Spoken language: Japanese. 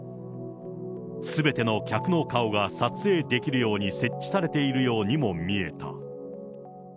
すべての客の顔が撮影できるように設置されているようにも見えた。